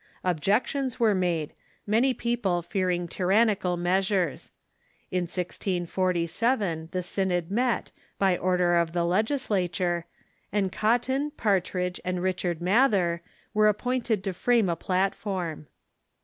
Objections were made, many people fearing tyrannical measures. In 1647 the synod met, by order of the legislature, and Cotton, Par tridge, and Richard Mather were appointed to frame a plat form.